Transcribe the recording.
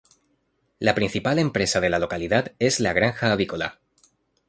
La principal empresa de la localidad es la granja avícola.